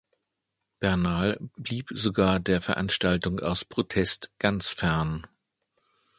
Bernal blieb sogar der Veranstaltung aus Protest ganz fern.